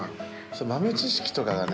豆知識とかがね